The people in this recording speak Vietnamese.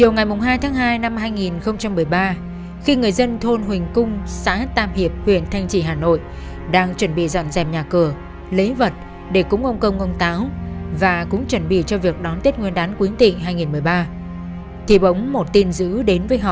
năm hai nghìn một mươi ba khi người dân thôn huỳnh cung xã tam hiệp huyện thanh trị hà nội đang chuẩn bị dọn dẹp nhà cửa lấy vật để cúng ông công ông táo và cũng chuẩn bị cho việc đón tết nguyên đán quýnh tịnh hai nghìn một mươi ba thì bỗng một tin dữ đến với họ